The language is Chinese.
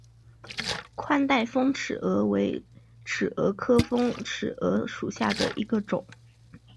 宽带峰尺蛾为尺蛾科峰尺蛾属下的一个种。